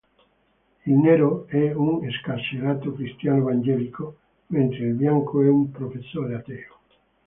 Il "Nero" è un ex-carcerato cristiano evangelico, mentre il "Bianco" è un professore ateo.